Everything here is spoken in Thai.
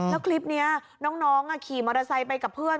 แล้วคลิปนี้น้องขี่มอเตอร์ไซค์ไปกับเพื่อน